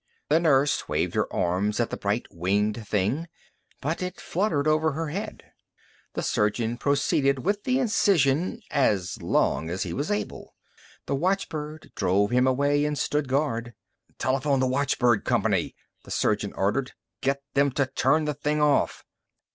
The nurse waved her arms at the bright winged thing, but it fluttered over her head. The surgeon proceeded with the incision as long as he was able. The watchbird drove him away and stood guard. "Telephone the watchbird company!" the surgeon ordered. "Get them to turn the thing off."